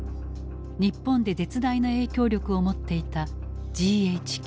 日本で絶大な影響力を持っていたＧＨＱ。